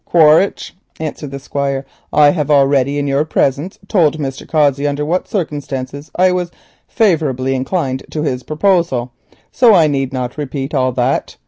"Quaritch," answered the Squire, "I have already in your presence told Mr. Cossey under what circumstances I was favourably inclined to his proposal, so I need not repeat all that.